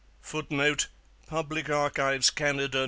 [Footnote: Public Archives, Canada.